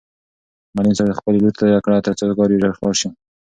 معلم صاحب خپل لور تېره کړ ترڅو کار یې ژر خلاص شي.